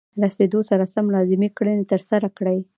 رسیدو سره سم لازمې کړنې ترسره کړئ.